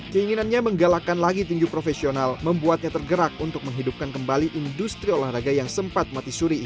keinginannya menggalakkan lagi tinju profesional membuatnya tergerak untuk menghidupkan kembali industri olahraga yang sempat mati suri ini